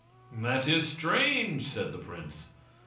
"That is strange," said the prince.